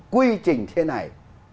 quy trình thế này